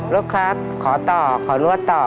ลูกครับขอต่อขอนวดต่อ